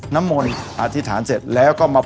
น้ำมนต์อธิษฐานเสร็จแล้วก็มา